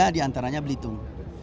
tiga diantaranya belitung